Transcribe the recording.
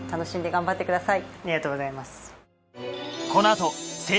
ありがとうございます。